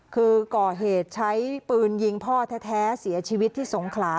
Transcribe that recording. คือก่อเหตุใช้ปืนยิงพ่อแท้เสียชีวิตที่สงขลา